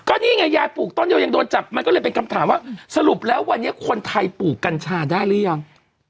ก็นี่ไงยายปลูกต้นเดียวยังโดนจับมันก็เลยเป็นคำถามว่าสรุปแล้ววันนี้คนไทยปลูกกัญชาได้หรือยัง